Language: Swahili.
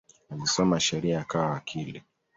Alisoma sheria akawa wakili.